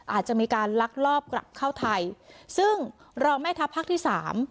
อาจจะมีการลักลอบกลับเข้าไทยซึ่งรองแม่ทัพภาคที่สาม